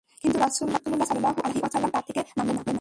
কিন্তু রাসূলুল্লাহ সাল্লাল্লাহু আলাইহি ওয়াসাল্লাম তা থেকে নামলেন না।